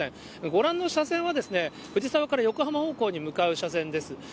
ご覧の車線は、藤沢から横浜方向に向かう車線です。